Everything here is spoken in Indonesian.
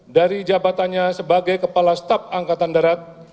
dari jabatannya sebagai kepala staf angkatan darat